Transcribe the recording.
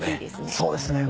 そうですね。